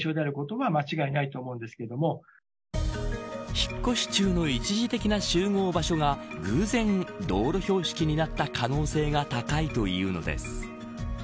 引っ越し中の一時的な集合場所が偶然、道路標識になった可能性が高いというのです。